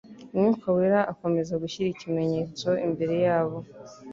Umwuka Wera akomeza gushyira ikimenyetso imbere yabo